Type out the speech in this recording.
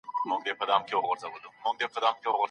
په انګريزي ژبه کې پوليټيکس يوازي د حکومت کولو پوهي ته ويل کېده.